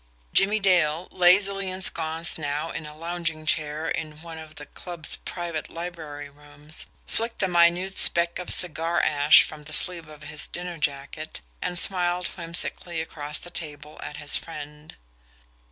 Jimmie Dale, lazily ensconced now in a lounging chair in one of the club's private library rooms, flicked a minute speck of cigar ash from the sleeve of his dinner jacket, and smiled whimsically across the table at his friend.